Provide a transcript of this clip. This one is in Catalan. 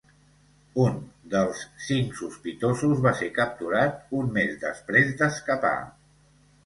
Un dels cinc sospitosos va ser capturat un mes després d'escapar.